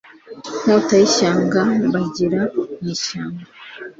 Nkota y'ishyanga, mbangira mu ishyamba.